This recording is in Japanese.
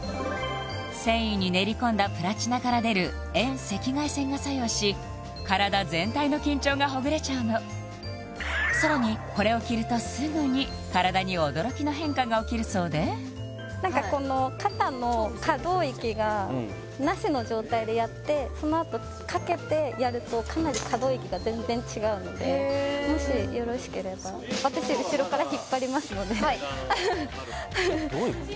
繊維に練り込んだプラチナから出る遠赤外線が作用し体全体の緊張がほぐれちゃうのさらにこれを着るとすぐに体に驚きの変化が起きるそうで何かこのなしの状態でやってそのあとかけてやるとかなり可動域が全然違うのでへえもしよろしければ私後ろから引っ張りますのではいどういうこと？